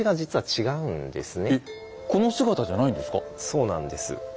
そうなんです。